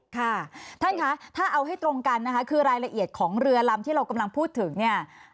ค่ะท่านคะถ้าเอาให้ตรงกันนะคะคือรายละเอียดของเรือลำที่เรากำลังพูดถึงเนี่ย